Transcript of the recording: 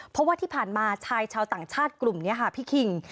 เพราะว่าที่ผ่านมาชายชาวต่างชาติกลุ่มนี้ค่ะพี่คิง